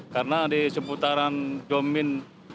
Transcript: karena di seputaran jomin